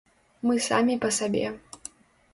Мы самі па сабе.